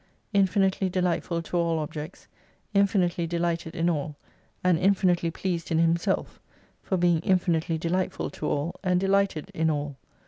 Infinitely delightful to all objects, infinitely delighted in all, and infinitely pleased m Himself, for being infinitely delightful to all, and delighted in all.